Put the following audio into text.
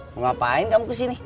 mau ngapain kamu kesini